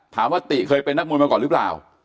ถามว่าติ๊กเคยเป็นนักมวยมาก่อนหรือเปล่า